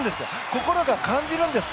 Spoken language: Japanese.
心が感じるんです。